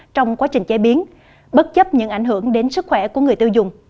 trong quá trình chế biến bất chấp những ảnh hưởng đến sức khỏe của người tiêu dùng